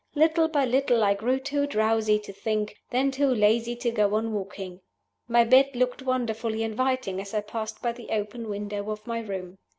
Little by little I grew too drowsy to think then too lazy to go on walking. My bed looked wonderfully inviting as I passed by the open window of my room.